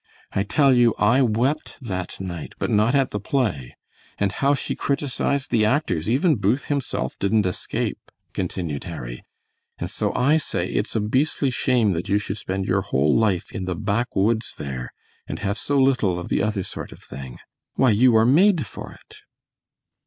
I tell you I wept that night, but not at the play. And how she criticised the actors; even Booth himself didn't escape," continued Harry; "and so I say it's a beastly shame that you should spend your whole life in the backwoods there and have so little of the other sort of thing. Why you are made for it!"